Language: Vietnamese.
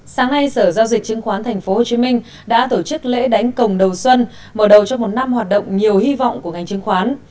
sáng nay sở giao dịch chứng khoán tp hcm đã tổ chức lễ đánh công đầu xuân mở đầu cho một năm hoạt động nhiều hy vọng của ngành chứng khoán